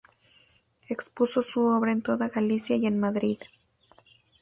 Expuso su obra en toda Galicia y en Madrid.